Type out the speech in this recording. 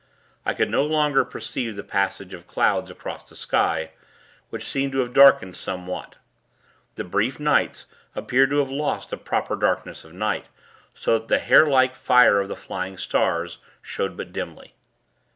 I could no longer perceive the passage of clouds across the sky, which seemed to have darkened somewhat. The brief nights, appeared to have lost the proper darkness of night; so that the hair like fire of the flying stars, showed but dimly.